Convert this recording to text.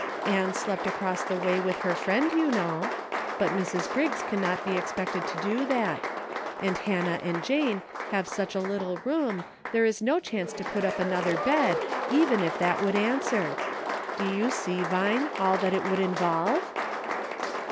Ann slept across the way with her friend, you know ; but Mrs. Griggs can not be ex pected to do that ; and Hannah and Jane have such A "PROVIDENCE." 2'J^ a little room there is no chance to put up another bed, even if that would answer. Do you see, Vine, all that it would involve